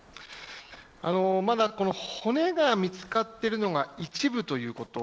骨が見つかっているのは一部ということ。